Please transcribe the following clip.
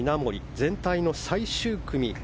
全体の最終組。